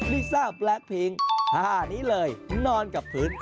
ลิซ่าแบล็กพิงนี่เลยนอนกับผืน